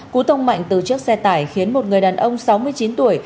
cú tông mạnh từ chiếc xe tải khiến một người đàn ông sáu mươi chín tuổi